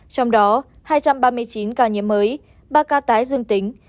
trong đó hai trăm ba mươi chín ca nhiễm mới ba ca tái dương tính